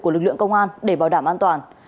của lực lượng công an để bảo đảm an toàn